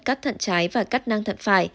cắt thận trái và cắt nàng thận phải